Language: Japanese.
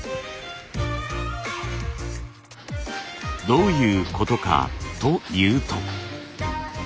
どういうことかというと。